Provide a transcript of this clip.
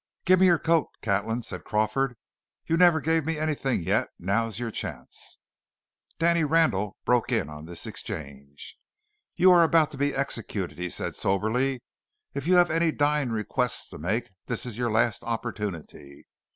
"Give me your coat, Catlin," said Crawford; "you never gave me anything yet; now's your chance." Danny Randall broke in on this exchange. "You are about to be executed," said he soberly. "If you have any dying requests to make, this is your last opportunity.